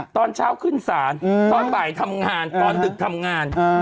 ตอนเช้าขึ้นศาลตอนบ่ายทำงานตอนดึกทำงาน